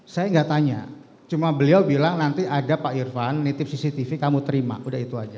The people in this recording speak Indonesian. saya nggak tanya cuma beliau bilang nanti ada pak irfan nitip cctv kamu terima udah itu aja